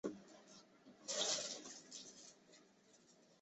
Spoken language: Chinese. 伊瓦图巴是巴西巴拉那州的一个市镇。